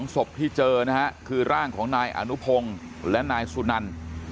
ศพที่เจอนะฮะคือร่างของนายอนุพงศ์และนายสุนัน